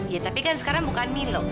ya tapi kan sekarang bukan minum